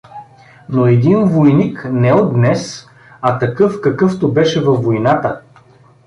Но един войник не от днес, а такъв, какъвто беше във войната.